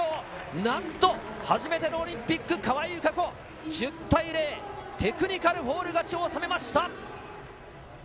なんと、初めてのオリンピック、川井友香子、１０対０、テクニカルフォール勝ちを収めました。